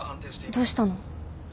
どうしたの？